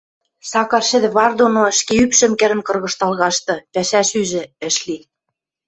Сакар шӹдӹ пар доно ӹшке ӱпшӹм кӹрӹн кыргыжтал кашты, пӓшӓш ӱжӹ — ӹш ли.